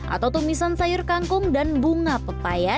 atau tumisan sayur kangkung dan bunga pepaya